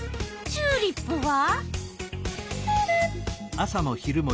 チューリップは？